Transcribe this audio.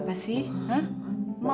bukan itu pak itu bukan tipe aku pak